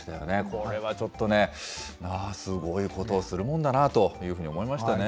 これはちょっとね、すごいことをするものだなというふうに思いましたね。